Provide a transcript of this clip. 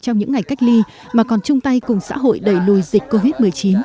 không chỉ cách ly mà còn chung tay cùng xã hội đẩy lùi dịch covid một mươi chín